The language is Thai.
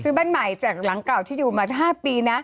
บ้านใหม่จากหลังเก่าที่อยู่มา๕ปีนะ